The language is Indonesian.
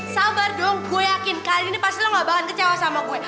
sabar dong gue yakin kali ini lo pasti gak bakalan kecewa sama gue